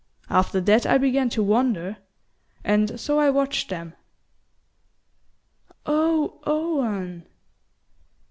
After that I began to wonder; and so I watched them." "Oh, Owen!"